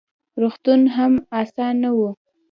روغتون هم اسان نه و: